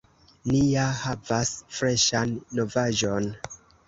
Ni ja havas freŝan novaĵon!